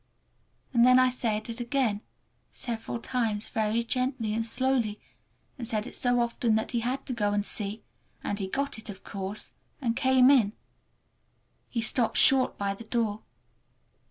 And then I said it again, several times, very gently and slowly, and said it so often that he had to go and see, and he got it, of course, and came in. He stopped short by the door.